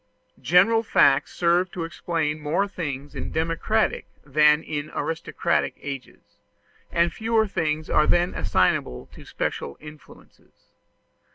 General facts serve to explain more things in democratic than in aristocratic ages, and fewer things are then assignable to special influences.